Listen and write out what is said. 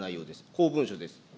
公文書です。